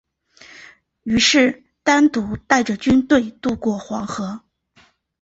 于是单独带着军队渡过黄河。